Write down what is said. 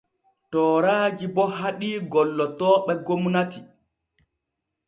Tooraaji bo haɗii gollotooɓe gomnati.